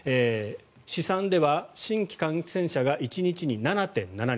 試算では新規感染者が１日に７．７人。